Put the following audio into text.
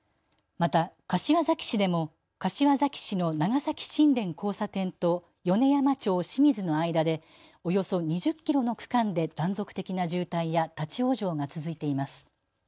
また柏崎市でも柏崎市の長崎新田交差点と米山町清水の間でおよそ２０キロの区間で断続的な渋滞や立往生が続いています。